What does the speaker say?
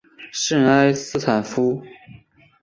圣埃斯泰夫。